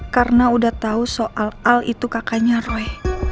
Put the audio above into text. karena udah tau soal al itu kakaknya roy